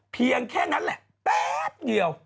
เพียงแค่นั้นแหละแป๊บเดียว